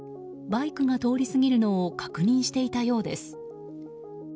バイクが通り過ぎるのを確認していたようです。